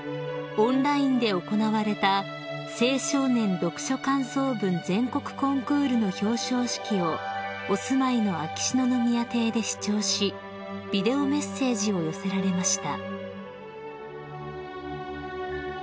オンラインで行われた青少年読書感想文全国コンクールの表彰式をお住まいの秋篠宮邸で視聴しビデオメッセージを寄せられました］